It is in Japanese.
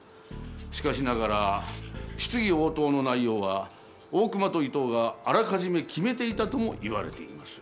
しかしながら質疑応答の内容は大隈と伊藤があらかじめ決めていたともいわれています。